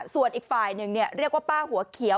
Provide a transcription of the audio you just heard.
ส่วนอีกฝ่ายหนึ่งเรียกว่าป้าหัวเขียว